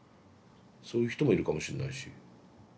そういう人もいるかもしんないし。